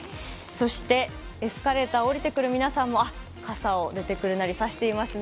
そしてエスカレーターをおりてくる皆さんも、傘を出てくるなり差していますね。